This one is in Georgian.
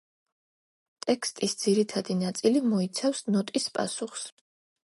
ტექსტის ძირითადი ნაწილი მოიცავს ნოტის პასუხს.